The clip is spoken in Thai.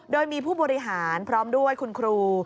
โดยมีผู้บริหารพร้อมด้วยคุณครู